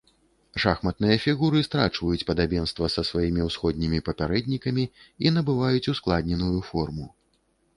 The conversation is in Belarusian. Шахматныя фігуры страчваюць падабенства са сваімі ўсходнімі папярэднікамі і набываюць ускладненую форму.